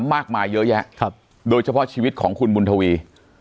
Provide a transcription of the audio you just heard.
มากมายเยอะแยะโดยเฉพาะชีวิตของคุณบุญทวี